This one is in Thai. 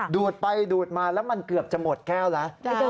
ดูดไปดูดมาแล้วมันเกือบจะหมดแก้วแล้ว